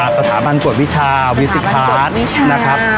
สถาบันตรวจวิชาวิติฟรารณ์